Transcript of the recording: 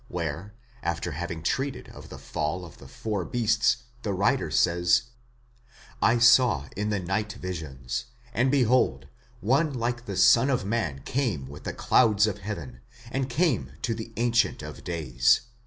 where after having treated of the fall of the four beasts, the writer says: 7 saw in the night visions, and behold, one like the Son of Man (WIN 123 ὡς vids ἀνθρώπου, LXX.) came with the clouds of heaven, and came to the Ancient of days.